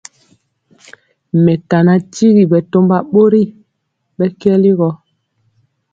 Mekana tyigi bɛtɔmba bori bɛ kweli gɔ.